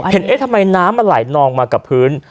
เอ๊ะทำไมน้ำมันไหลนองมากับพื้น